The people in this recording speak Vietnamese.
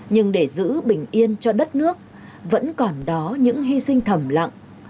nhưng để giữ bình yên cho đất nước vẫn còn đó những hy sinh thầm lặng